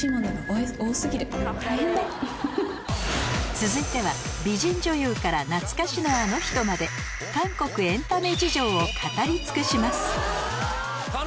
続いては美人女優から懐かしのあの人まで韓国エンタメ事情を語り尽くしますガン！